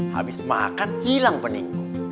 habis makan hilang peninggu